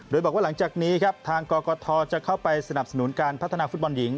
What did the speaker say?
โดยบอกว่าหลังจากนี้ครับทางกกทจะเข้าไปสนับสนุนการพัฒนาฟุตบอลหญิง